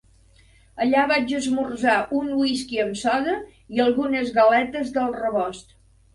Allà, vaig esmorzar un whisky amb soda i algunes galetes del rebost.